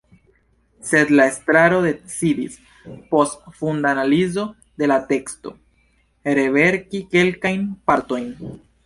Sed la estraro decidis, post funda analizo de la teksto, reverki kelkajn partojn.